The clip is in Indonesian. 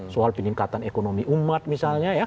soal peningkatan ekonomi umat misalnya ya